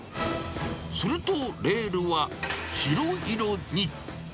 するとレールは、白色に。